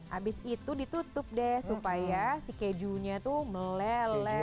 habis itu ditutup deh supaya si kejunya tuh meleleh